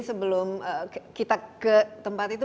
sebelum kita ke tempat itu